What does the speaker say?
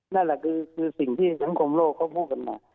นั่นแหละคือสิ่งที่สังคมโลกเขาพูดกันมา